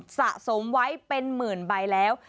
สะสมไว้เป็นหมื่นใบแล้ว